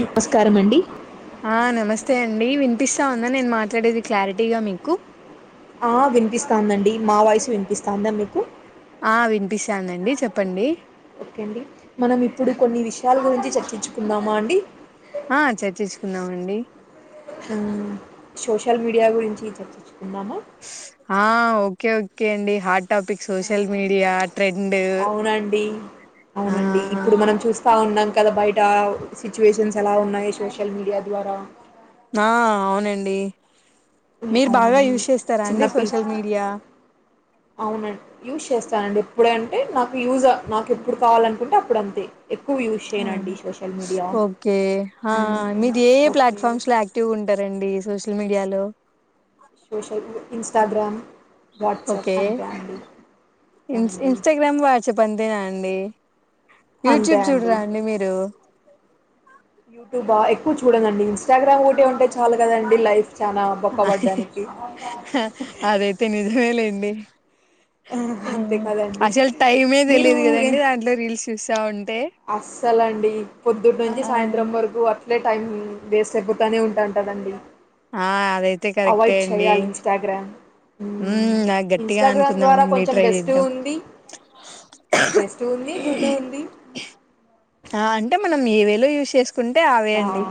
నమస్కారం అండి ఆ నమస్తే అండి వినిపిస్తా ఉందా నేను మాట్లాడేది క్లారిటీగా మీకు ఆ వినిపిస్తాందండి మా వాయిసు వినిపిస్తాందా మీకు ఆ వినిపిస్తాందండి చెప్పండి ఓకే అండి మనం ఇప్పుడు కొన్ని విష్ షయాల గురించి చర్చించుకుందామా అండి. ఆ చర్చిచ్చుకుందామండి. సోషల్ మీడియా గురించి చెర్చిచ్చు ఆ ఓ కే ఓకే అండి హాట్ టాపిక్ ఆ, సోషల్ మీడియా ట్రెండ్ అవునండి. ఆ స్తా ఉన్నాం కదా బయట సిచ్యువేషన్స్ ఎలా ఉన్నాయి సోషల్ మీడియా ద్వారా ఆ అవునండి హ్మ్ మీరు బాగా అవునవును యూజ్ చేస్తారా అండి చిన్నపిల్ల్ సోషల్ మీడియా అవునం యూస్ చేస్తా స్తానండి ఎప్పుడే అంటే నాకు యూజ్ నాకెప్పుడు కావాలనుకుంటే అప్పుడంతే. ఓకే ఆ మ్మ్. మీది ఏ ఏ ఓకే ప్లాట్ఫామ్స్ లో యాక్టివ్ గుంటా రండి సోషల్ మీడియాలో ఇన్స్టాగ్రామ్ వాట్సాప్ ఓకే అంతే అండి ఇన్స్ అవునండి ఇన్స్టాగ్రామ్ వాట్సప్ గాంతేనా అండి యూట్యూబ్ చూడరా అండి మీరు? చూడదండి, ఇన్స్టాగ్రామ్ ఒకటి ఉంటే చాలు కదా అంది లైఫ్ చానా అహహహా బొక్కబడ్డానికి హా అదైతే నిజమే లేండి. అంతే మ్మ్ కదండి అసలు టైమే తెలీదు కదండి దాంట్లో రీల్స్ చూస్సా ఉం అస్సల అండి పొద్దుటి ఆ నుంచి సాయంత్రం వరకు అట్ ట్లే టైం వేస్ట్ అయిపోతానే ఉంటాంటదండి. ఆ అదైతే కరెక్టే అవాయిడ్ అండి. చేయాలి ఇన్స్టాగ్రామ్ మ్మ్ బాగా గట్టిగా ఇన్స్టాగ్రామ్ అనుకుందాం ద్వారా అండి కొంచెం ట్రై బెస్ట్ చేద్దాం. ఉంది బెస్ట్ ఉంది గుడ్ ఉంది ఆ అంటే మనం ఏ వేళ యూజ్ చేస్ కుంటే ఆవే అండి. ఆ,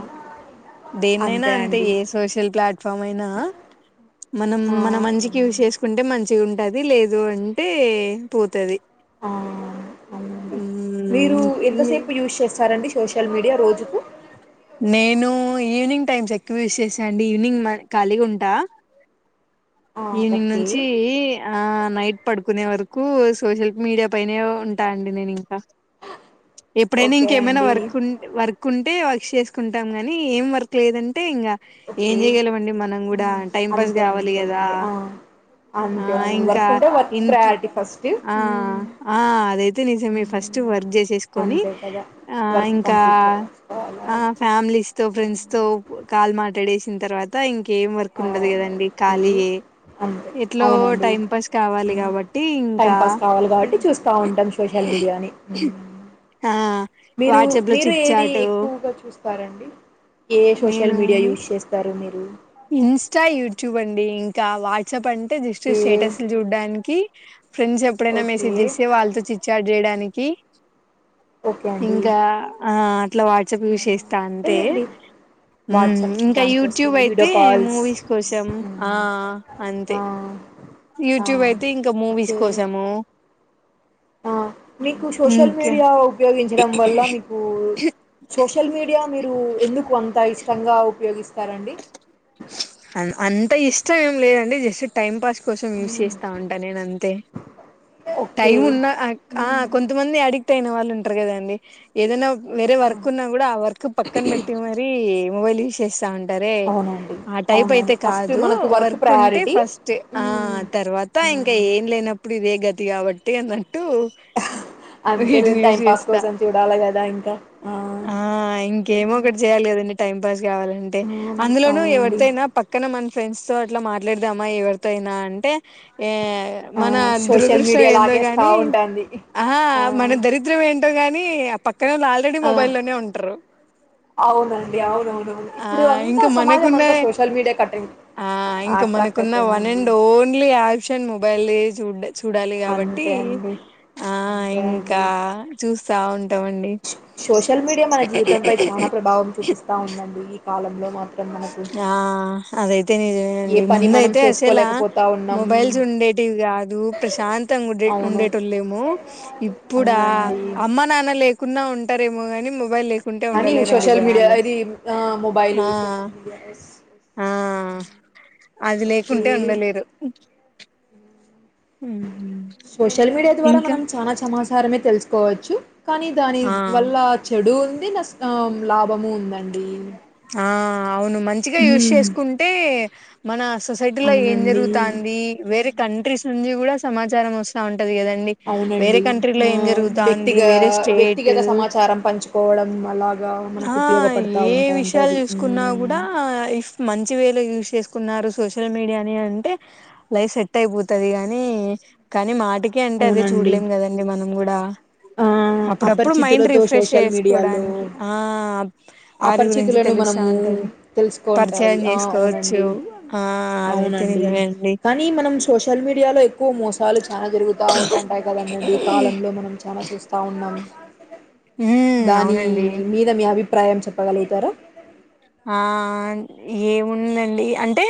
దేన్నైనా అంతే ఏ సోషల్ ప్లాట్ఫామ్ అయినా మనం ఆ మన మంచికి యూస్ చేసుకుంటే మం చిగా ఉంటది లేదు అంటే పోతది. మీరు ఎంత మ్మ్ సేపు యూస్ చేస్తా స్తారండి సోషల్ మీడియా రోజుకు. నేను ఈవినింగ్ టైమ్స్ ఎక్కువ యూస్ చేసాయండి ఈవినింగ్ మ ఖాలీగా ఉంటా ఆ ఈవినింగ్ ఓకే నుంచి ఆ నైట్ పడుకునే వరకు క్కు సోషల్ మీడియా పైనే ఉంటా అండి నేను ఇంకా ఎప్పుడైనా ఓకే ఇంకేమైనా అండి వర్క్ ఉంటే వర్క్ ఉంటే వర్క్ చేసుకుంటాం గానీ ఏం వర్క్ లేదంటే ఇంకా ఏం ఓకే చేయగలమండి మనం కూడా ఉమ్, టైం పాస్ అంతే కావాలి కదా అంతేలేండి ఆ ఆ అంతే అవును ఇంకా వర్క్ ఉంటే వర్క్ ఇంట్లో ప్రయారిటీ ఫస్ట్ ఉమ్, ఆ అదైతే నిజమే ఫస్ట్ ఉమ్, వర్క్ చేసేసుకని అంతే కదా ఆ వర్క్ ఇంకా కంప్లీట్ చేసుకోవాలా ఫ్యామిలీస్ తో ఫ్రెండ్స్ తో కాల్ మాట్లాడేసిన తర్వాత ఇంకా ఏం వర్క్ ఆ, ఉండదు కదండి ఓకే కాలి అ అంతే ఎట్లో అవునండి టైం పాస్ కావాలి ఉమ్, కాబట్టి టైం ఇంకా పాస్ కావాలి కాబట్టి చూస్తూ ఉంటాం సోషల్ మీడియాని ఉమ్. మీరు వాట్సాప్ లో మీరు చిట్ ఏది చాట్ ఎక్కువగా చూస్త సరండి ఏ సోషల్ నేను మీడియా యూజ్ చేస్తారు మీరు అ ఇన్స్టా యూట్యూబ్ అండి ఇంకా వాట్సాప్ అండి ఐతే జస్ట్ ఏ స్టేటస్లు చూడ్డానికి ఫ్రెండ్స్ ఎప్పుడైనా ఓకే మెసేజ్ చేస్తేళ్ళతో చిట్చాట్ చేయడానికి కి ఓకే అండి ఇంకా ఆ అట్లా వాట్సప్ యూస్ చేస్తా అంతే అంతేలేండి వాట్సాప్ ఇంకా యూట్యూబ్ దానికోసమే వీడియో అయితే కాల్స్ మూవీస్ కోసం హ్మ్. ఆ అంతే ఆ ఆ యూట్యూబ్ అయితే ఇంకా మూవీస్ ఓకే కోసము మీకు సోషల్ ఇంక మీడియా ఉపయోగించడం వల్ల మీకు సోషల్ మీడియా మీరు ఎందుకు అంత ఇష్టంగా ఉపయోగిస్త అ అంత అంత ఇష్టం ఏం లేదండి జస్ట్ టైం పాస్ కోసం యూజ్ హ్మ్. చేస్తా ఉంటా నేను అంతే ఓకే టైం ఉన్న ఆ హ్మ్. కొంతమంది అడిగి అయిన వాళ్ళు ఉంటరు కదండి ఏదైనా వేరే ఆ! వర్క్ ఉన్నా కూడా ఆ వర్క్ పక్కన పెట్టి మరి మొబైల్ యూస్ చేస్తా ఉంటా టారే అవునండి ఆ టైప్ అవునవును అయితే ఫస్ట్ కాదు మనకు వర్క్ వర్కుంటే ప్రయారిటీ ఫస్ట్ ఆ హ్మ్ తర్వాత ఇంకా హ్మ్ ఏం లేనప్పుడు ఇప్పుడు ఇదే గతి కాబట్టి అ అంతేలే వీటినియూ టైం పాస్ చేస్తా కోసం చూడాలి కదా ఇంకా ఆ ఇంకేమో హ్మ్ ఒకటి చేయాలి కదండి టైం పాస్ కావాలంటే హ్మ్. అందులోనూ అవునండి ఎవరితేనా పక్కన మన ఫ్రెండ్స్ తో అట్లా మాట్లాడదమ్మా ఎవరితో అయినా అంటే ఏ ఆ మన సోషల్ దురదృష్టం మీడియా ఏందో లాగేస్తా గాని ఉంటుంది ఆహా ఆ మన దరిద్రం ఏంటి గాని అ పక్క ఆ అవునండి అవునవునుడి ఆ ఇంకా మనకున్న అట ఆ ఇంకా అట్రాక్ట్ మనకున్న వన్ అయిపోయిందండి అండ్ ఓన్లీ ఆప్షన్ మొబైల్ చూ చూడాలి కాబట్టి అంతే అండి ఆ అంతే అండి ఇంకా చూసా ఉండి సోషల్ మీడియా మన జీవితంపై చాలా ప్రభావం చూపిస్తా ఉందండి కాలంలో మాత్రం మనకు ఆ అదైతే ఏ నయండి పని ముంద మనం అయితే అసలా చేసుకోలేకపోతా ఉన్నాం మొబైల్స్ ఉండేటివి కాదు ప్రశాంతంగా ఉండే అవును ఉండేటళ్ళులేము ఇప్పుడా అవునండి అమ్మ నాన్న లేకు కున్నా ఉంటారేమో కాని మొబైల్ లే అని సోషల్ మీడియా ఇది మొబైల్ ఆ సోషల్డి ఆ అది ఓకే లేకుంటే ఉండలేరు హ్మ్. సోషల్ మీడియా ద్వారా ఇంకా మనం చాలా సమాచారమే తెలుసు కోజి కానీ దాని ఆ వల్ల చెడూన్ దీన్ వస్తాం లాభము ఉందండి ఆ అవును మంచిగా యూస్ ఉమ్ చేసుకుంటే మనాస్ సొసైటీలో ఏం అవునండి జరుగుతాంది వేరే కంట్రీస్ నుంచి కూడా సమాచారం వస్తా ఉన్ అవునండి ఆ జరుగుతాంది వ్యక్తిగ వేరే స్టేట్ వ్యక్తిగత సమాచారం పంచుకోవడం అలా ఆ ఏ విషయాలు చూసుకున్నా కూడా ఉమ్ ఇఫ్ మంచి వే లో యూస్ చేసు తున్నారు సోషల్ మీడియా అని అంటే లైఫ్ సెట్ అయిపోతాది కానీ కానీ మా టికే అంటే అదే అవునండి చూడలేం కదండి మనం కూడా ఆ అప్పుడప్పుడు మైండ్ అపరిచితులతో రిఫ్రెష్ సోషల్ మీడియాలో చేసుకోవడానికి ఆ వారి గురించి అపరిచితులను తెలుస్తా మనము ఉంటది తెలుసుకుంటాది పరిచయం ఆ చేసుకోవచ్చు అవునండి ఆ అదైతే అవునండి నిజమే అండి కానీ మనం సోషల్ మీడియాలో ఎ కు మోసాలు బా జరుగుతూ ఉంటాంటాయి కదందండి కాలంలో మనం అలా చూస్తా ఉన్నాను ఉమ్ దాని అవునండి మీద మీ అభిప్రాయం చెప్పగలుగుతారా ఆ ఏముందండి అంటే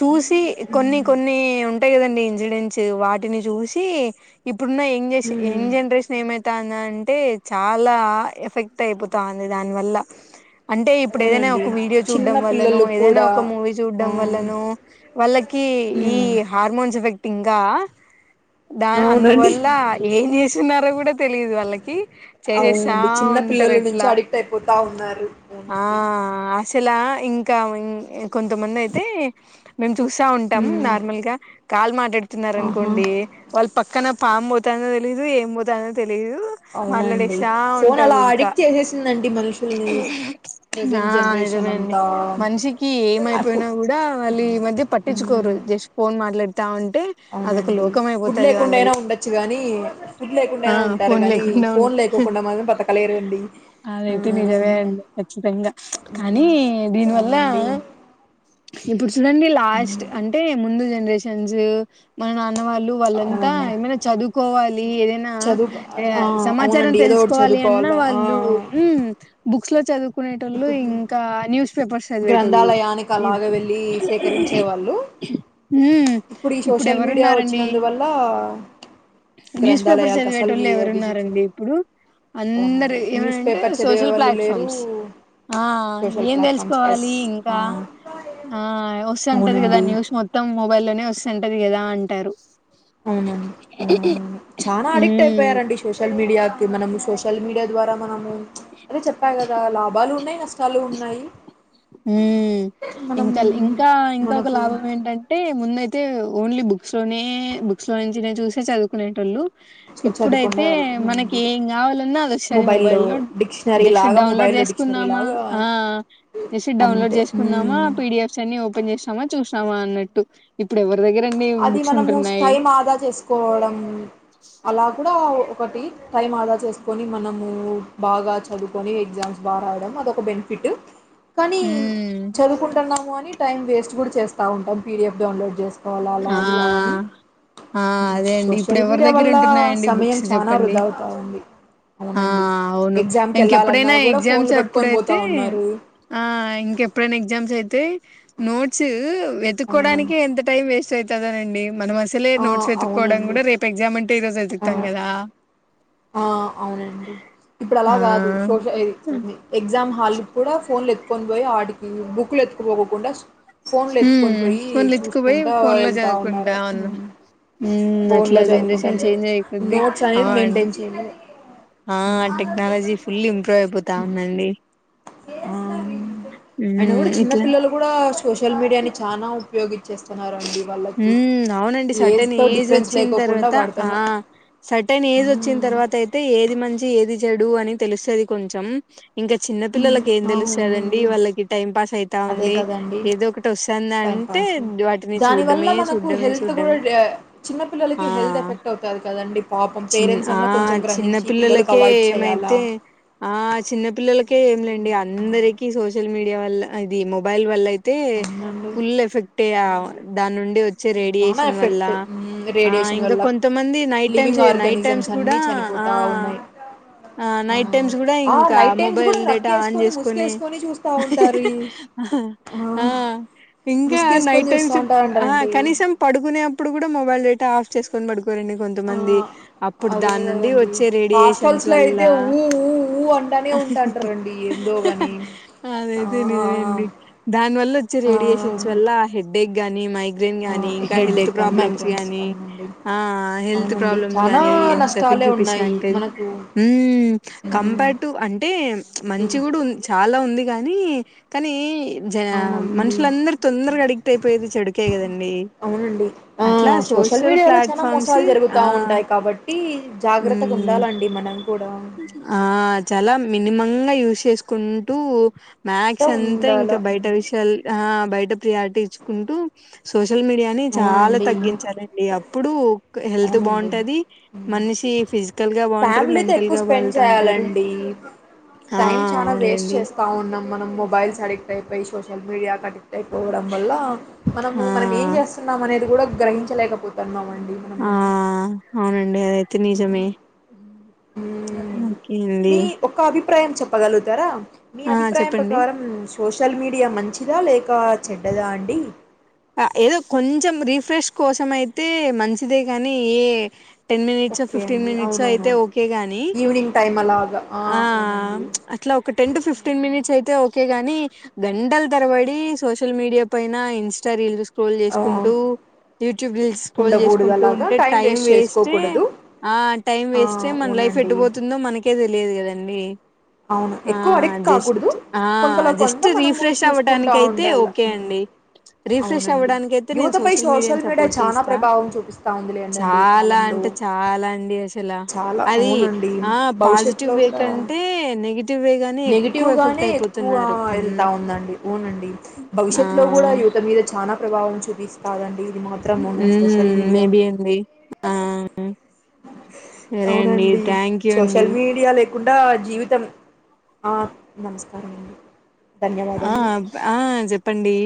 చూసి కొన్ని హ్మ్ కొన్ని ఉంటాయి కదండి ఇన్సిడెంట్స్ వాటిని చూసి ప్పుడున్న యంగ్ యేషి హ్మ్. యంగ్ జనరేషన్ ఏమైతాందంటే చాలా ఎఫెక్ట్ అయిపోతాంది అవునండి దాని వల్ల అంటే ఇప్పుడు ఏదైనా అవునండి ఒక వీడియో చిన్న చూడ్డం వల్లనూ పిల్లలు ఏదైనా కూడా ఒక మూవీ ఆ చూడ్డం వల్లనూ వాళ్ళకి ఈ హ్మ్ హార్మోన్స్ ఎఫెక్ట్ టింగా దా అవునండి అందువల్ల ఏం చేసి తిన్నారో కూడా తెలియదు వాళ్ళకి చేసేస్తా అవునండి చిన్న ఉంటారు పిల్లల నుంచి ఎట్లా అడిక్ట్ అయిపోతా ఉన్నారు మ్మ్ అటి తెలా ఇంకా కొంతమంది అయితే మేం చూసా ఉంటాం హ్మ్ నార్మల్ గా కాల్ మాటాడు ఆహా తిన్నారనుకోండి వాళ్ళు పక్కన పాము పోతాందో తెలీదు ఏం పోతాందో తెలి అవునండి ఫోన్ అలా ఊరికా అడిక్ట్ చేసేసిందండి మనుషుల్ని ఆ ప్రజెంట్ జనరేషన్ నిజమే అండి అంతా మనిషికి ఆ ఫు ఏమయిపోయినా కూడా వాళ్ళు ఈ మధ్య హ్మ్ పట్టిచ్చుకోరు జస్ట్ పో మాట్లాడతావున్ అవునండి ఫుడ్ లేకుండా అయినా ఉండచ్చు గానీ ఫుడ్ లేకుండా ఆ అయినా ఉంటారు ఫోన్ గానీ లేకుండా ఫోన్ ఉ లేకోకుండా మాత్రం బతకలేరు అండి ఉమ్మ్ ఇంగ కానీ దీనివల్ల ఇప్పుడు చూడండి లాస్ట్ హ్మ్ అంటే ముందు జ రేషన్సు మ నా న్న వాళ్ళు వాళ్ళంతా అవునండి ఏమైనా చదువుకోవాలి ఏదైనా చదువు ఆ సమాచారం అవునండి ఏదో ఒకటి తెలుసుకోవాలి అన్న చదువుకోవాల ఆ వాళ్ళు ఉమ్మ్ బు క్స్ లో చదువు కునేటోళ్ళు ఇంకా న్యూస్ పేపర్స్ చదివేటోళ్ళు గ్రంథాలయానికి అలాగ ఇప్పు వెళ్ళి సేకరించే వాళ్ళు ఉమ్మ్‌ ఇప్పుడు ఈ సోషల్ మీడియా ఇప్పుడెవరున్నారండి వచ్చినందువల్ల న్యూస్ పేపర్ గ్రంథాలయాలకు అసలు వి చదివేటోళ్ళు విజిట్ చేయ ఎవరున్నారండి ఇప్పుడు అందరూ అవునండి న్యూస్ ఏమనంటే పేపర్ చదివే సోషల్ వాళ్ళు లేరు ప్లాట్ఫామ్స్ ఆ సోషల్ ఏం తెల్సు ప్లాట్ఫామ్స్ ఎస్ కోవాలి ఆ ఇంకా ఆ వస్తుంటది కదా అవునండి న్యూస్ మొత్తం మొబైల్ లోనే వస్తుంటది ఎదా అంటారు అవునం అవునవునవును చానా అడిక్ట్ ఉమ్ అయిపోయారండి సోషల్ మీడియాకి మనము సోషల్ తల్ మీడియా ద్వారా మనము అదే చెప్పా కదా లాభాలున్నాయి కలు ఉన్నాయి ఉ మనం ఇంకా ఇంకా ఇంకొక మనకు లాభం ఏంటంటే ముందయితే లీ బుక్స్ లోనే బుక్స్ లో నుంచి చూసే చదువుకునేళ్ళు చ- చదువుకునే ఇప్పుడైతే మనకి వాళ్ళండి ఏం కావాలన్నా అది వసారి మొబైల్లో మొబైల్ లో డిక్షనరీ జక్ష లాగా డౌన్లోడ్ మొబైల్లో డిక్షనరీ చేసుకుందామా లాగా ఆ వసి డౌన్లోడ్ అంతే చేసుకున్నామా మ్మ్. పీడఎఫ్స్ అన్ని ఓపెన్ చేసామా చూ అన్నట్టు ఇప్పుడు ఎవరు అది మనము స్టైమ్ ఆదా చేసుకోవడం అలా కూడా ఒకటి టైం ఆదా చేసుకొని మనము బాగా చదువుకొని ఎగ్జామ్స్ బాగా రాయడం అదొక బెనిఫిట్ కానీ ఉమ్ చదువుకుంటున్నాము అని టైం వేస్ట్ కూడా చేస్తా ఉంటాం పీడిఫ్ డౌన్లోడ్ చేస్త ఆ ఆ అదే అండి ఇప్పుడు సోషల్ ఎవరి మీడియా దగ్గర వల్ల ఉంటున్నాయంండి సమయం బుక్స్ చాలా చెప్పండి వృధా అవుతూ ఉంది ఆ అవునండి అవును ఎగ్జామ్కి వెళ్ళాలన్నా ఇంకెప్పుడైనా కూడా ఎగ్జామ్స్ ఫోన్లు పట్టుకొని పోతా ఎప్పుడైతే ఉన్నారు ఆ ఇంకెప్పుడైనా ఎగ్జామ్స్ అయితే నోట్స్ అవునండి వెతుక్కవడానికి ఎంత టైం వే చెబుతాదనండి మనం అసలే ఆ, నోట్స్ వెతుక్కోవడం అవునండి కూడా రేపు ఎగ్జామ్ అంటే ఈ ఆ, తంగదా ఆ అవునండి ఇప్పుడు అలా ఆ కాదు సోష ఎగ్జామ్ హాల్కి కూడా ఫోన్లు ఎత్తుకొని పోయి ఆటి బుక్కులు ఎత్కుపోకకుండా హ్మ్ ఫోన్లు ఎత్తుకుపోయి ఫోన్ లో ఎళ్తా ఉన్నారు. చదువుకుంటా హ్మ్. ఉన్నాంహ్మ్ ఫోన్‌లో అట్లా జనరేషన్ చదువుకుంటాను. చేంజ్ అయిపోద్ది నోట్స్ ఆ అనేది మెయింటైన్ చేయలేదు. ఆ టెక్నాలజీ ఫుల్ ఇంప్రూవ్ అయిపోతా ఉందండి అయిన ఉమ్ కూడా చిన్న ఇట్లా పిల్లలు కూడా సోషల్ మీడియాని చాలా ఉపయోగించేస్తున్నారండి వాళ్ళకి హ్మ్. అవునండి. సర్టెన్ ఏజ్తో ఏజ్ డిఫరెన్స్ ఒచ్చిన లేకోకుండా తర్వాత ఆ! వాడుతున్నారు సర్టెన్ ఏజ్ ఒచ్చిన తర్వాత అయితే ఏది మంచి ఏది చెడు అని తెలుస్తది కొంచెం ఇంకా చిన్న హ్మ్. పిల్లలకి ఏం తెలుస్తాదండి అవునండి. వాళ్ళకి టైం పాస్ అయితా అదే ఉండి కదండీ! ఏదో ఒకటి వస్తుంద టైం అంటే పాస్ వాటిని దాని వల్ల చూడడమే మనకు చూడడమే హెల్త్ చూడడమే కూడా చిన్నపిల్లలకి ఆ హెల్త్ ఎఫెక్ట్ అవుతది కదండి పాపం చిన్న పేరెంట్స్ ఆ అన్నా కొంచెం గ్రహించి పిల్లలకు చిన్నపిల్లలకే అవాయిడ్ చేయాలా ఏమైతే ఆ చిన్నపిల్లల కే ఏం లేండిగ అందరిక్ కి సోషల్ మీడియా వల్ల అది మొబైల్ వల్లయ్ తే అవునండి ఫుల్ ఎఫెక్ ట్టెయ అవునండి దాన్నుండి వచ్చే చానా రేడియేషన్ వల్ల, ఎఫెక్ట్ ఆ రేడియేషన్ ఇంకా వల్ల కొంతమంది night times, living night times organisms కూడా అన్నీ ఆ, చనిపోతా ఉన్నాయి ఆ నైట్ టైమ్స్ గుడ ఆ ఇంకా నైట్ టైమ్స్ మొబైల్ కూడా డేటా ఆన్ రగ్గేసుకొని చేస్కొని ముసుగేసుకొని చూస్తా ఉంటారు ఈ ఆ ఇంకా ముసుగేసుకొని నైట్ టైమ్స్ చూస్తా సిప్ ఆ ఉంటారంటారండి కనీసం పడుకునే అప్పుడు కూడా మొబైల్ డేటా ఆఫ్ చేసుక్కొని బడు కొరండి ఆ కొంతమంది అప్పుడు అదే దాన్నుండి కదండి వచ్చే హాస్టల్స్ రేడియేషన్స్ లో వల్ల, అయితే ఊ ఊ ఊ అంటానే ఉంటాంటారండి ఏందో గాని ఆ అదైతే నిజమండి. న్ వల్ల వచ్చె ఆ రేడియేషన్స్ వల్ల ఆ హెడ్డె గానీ మై గ్రిన్ ఆ గానీ ఇంకా హెడ్ హెల్త్ ఎక్ అని ప్రాబ్లమ్స్ మైగ్రైన్స్ గానీ, అవునండి ఆ హెల్త్ అవునండి ప్రాబ్లమ్స్ చానా గానీ ఎంత ఎఫెక్ట్ నష్టాలే ఉన్నాయి జుపిస్సాంటే, మనకు ఉ మ్ కంపట్టు అంటే చ్ మంచి వుడున్ చాలా ఉంది. గాని కానీ జా అవునండి మనుషులందరు తొందరగా అడిక్ట్ అయిపోయేది చెడుకే కదండి, అవునండి ఆ అట్లా సోషల్ మీడియాలో ప్లాట్ చాలా ఫామ్మ్స్ మోసాలు ఆ, జరుగుతా ఉంటాయి కాబట్టి జాగ్రత్తగా హుం, ఉండాలండి మనం కూడా ఆ చాలా మి న్నిమ్మంగ యూస్ చేసుకుంటూ త మ్యాక్స్ అంతా ఇ ఉండాల య్ ట హ్మ్. విసాల్ ఆ బైట ప్రియారిటీ ఇచ్చుకుంటు సోస్ షల్ మీడియాని చాలా అవునండి తగ్గించాలండి అప్పుడు క్ హెల్త్ అవునండి బావుంటది, మ్ మనిషి ఫిజికల్ గా బావుంట్రరు ఫ్యామిలీతో ఎక్కువ మెంటల్గా స్పెండ్ వాల్తాంటరు, చేయాలండి ఆ టైం చాలా అవునండి. టయ్ పెయ్ సోషల్ మీడియాకి అడిక్ట్ అయిపోవడం వల్ల మనము ఆ మనం ఏం జెస్సన్నమ్ అనేది గుడా గ్రహించలేకపోతన్నం అం. ఆ అవ్ న ండి అదిఐతే నిజమే ఓకే అండి. ప్రయం చెప్పగలువుతారా. మీ అభిప్రాయం చెప్పండి ప్రకారం సోషల్ మీడియా మంచి చిర లేక చెడ్డదా అండి. అ ఏదో కొంచెం రీఫ్రెష్ కోసమైతే మంచిదే గానీ ఏ టెన్ మినిట్సొ, ఓకే ఫిఫ్టీన్ అండి మినిట్సొ అయితే అవునవునవును ఓకే గాని, ఈవినింగ్ టైం అలాగా ఆ అవునండి చ్ అట్ల ఒక టెన్ టు ఫిఫ్టీన్ మినిట్స్ అయితే ఓ కే గాని గంటల్ తరబడి సోషల్ మీడియా పైన ఇన్స్ స రీల్ జుస్ ర్రోల్ ఆ, చేసుకుంటూ టుబ్రిల్స్ కోల్ ఉండకూడదు చేసుకుంటూ అలాగా ఉంటే టైం వేస్ట్ వేస్టే, చేసుకోకూడదు ఆ టైం ఆ వేస్టే మన లైఫ్ అవునండి ఎట్టుపోతుందో మనకే తెలియదు కద డి అవును ఆ ఎక్కువ అడిక్ట్ కాకూడదు జస్ట్ ఆ కొంతలో కొంత జస్ట్ మనము రీఫ్రెష్ చూసుకుంటా అవ్వటానికి అయితే ఉండాల ఓకే ఉమ్, అండి రిఫ్రెష్ అవునండి అవ్వడానికి అయితే నేను యువతపై సోషల్ మీడియాని మీడియా సపోర్ట్ చాలా చేస్తా ప్రభావం చూపిస్తా ఉందిలేండి అండి ఈ చాలా కాలంలో అంటే చాలా అండి అసలు చాలా అది అవునండి ఆ పాజిటివ్ వే కంటే నెగిటివ్ వే గాని నెగటివ్ ఎక్కువ ఎఫెక్ట్ గానే ఎక్కువ అయిపోతున్నారు వెళ్తా మ్మ్ ఉందండి అవునండి ఆ భవిష్యత్తు లో కూడా యువత మీద చాన ప్రభావం చూపిస్తాదండి మాత్రం ఉన్ సోషల్ మ్మ్ మీడియా మేబి అండి ఆ సరే అండి అవునండి థ్యాంక్ యూ అండి సోషల్ మీడియా లేకుం త జీవితం ఆ నమస్కారం అండి ఆ ధన్యవాదములు ఆ చెప్పండి